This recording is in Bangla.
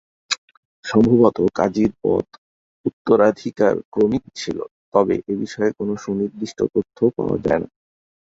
সম্ভবত কাজীর পদ উত্তরাধিকারক্রমিক ছিল, তবে এবিষয়ে কোনো সুনির্দিষ্ট তথ্য পাওয়া যায় না।